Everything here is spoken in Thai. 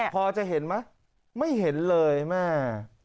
พอจะเห็นไหมไม่เห็นเลยแม่